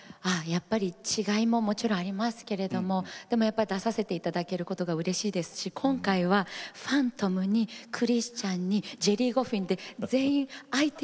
やっぱり違いももちろんありますけれどもでも出させていただけることがうれしいですし今回はファントムにクリスチャンにジェリー・ゴフィンで全員相手役の。